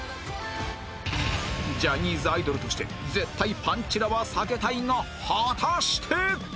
ジャニーズアイドルとして絶対パンチラは避けたいが果たして